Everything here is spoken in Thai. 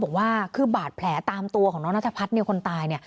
บอกว่าคือบาดแผลตามตัวของน้องนัทพัฒน์คนตายเนี่ย